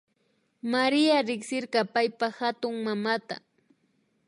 Maria riksirka paypa hatunmamata